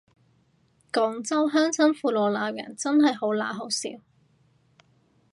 廣州鄉親父老鬧人真係好嗱好笑